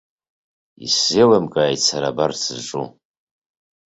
Исзеилымкааит сара абарҭ зҿу.